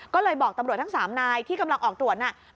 ก็เลยบอกตำรวจทั้ง๓นายที่กำลังออกตรวจน่ะ